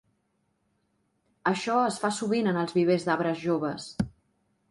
Això es fa sovint en els vivers d'arbres joves.